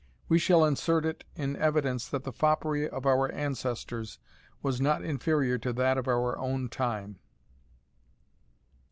We shall insert it in evidence that the foppery of our ancestors was not inferior to that of our own time.